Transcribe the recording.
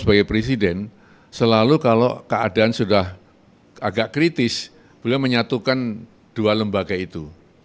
sebagai presiden selalu kalau keadaan sudah agak kritis beliau menyatukan dua lembaga itu